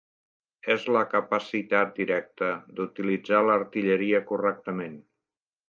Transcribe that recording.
És la capacitat directa d'utilitzar l'artilleria correctament.